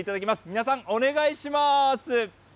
皆さん、お願いします。